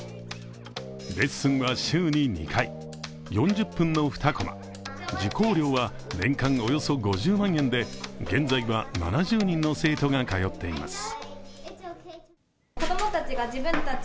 レッスンは週に２回、４０分の２こま受講料は年間およそ５０万円で現在は７０人の生徒が通っています。